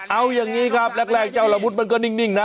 เอาอย่างนี้ครับแรกเจ้าละมุดมันก็นิ่งนะ